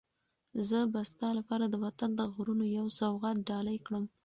زه به ستا لپاره د وطن د غرونو یو سوغات ډالۍ کړم.